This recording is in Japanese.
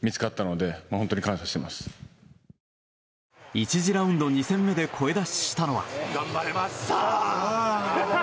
１次ラウンド２戦目で声出ししたのが。